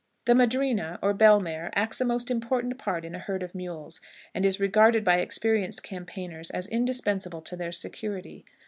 The madrina, or bell mare, acts a most important part in a herd of mules, and is regarded by experienced campaigners as indispensable to their security.